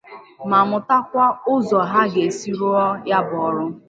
ma mụtakwa ụzọ ha ga-esi rụọ ya bụ ọrụ